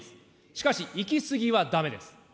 しかし、行き過ぎはだめです。